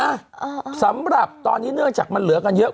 อ่าสำหรับตอนนี้เนื่องจากมันเหลือกันเยอะ